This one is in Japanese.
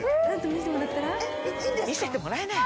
見せてもらいなよ！